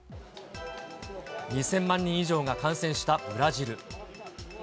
２０００万人以上が感染したブラジル。